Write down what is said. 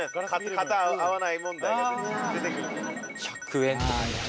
型が合わない問題が出てくる。